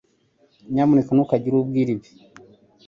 Nyamuneka ntukagire uwo ubwira ibi.